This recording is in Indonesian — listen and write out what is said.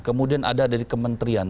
kemudian ada dari kementerian